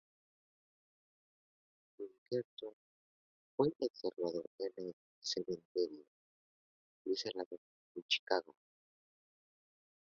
Pinkerton fue enterrado en el cementerio Graceland, en Chicago.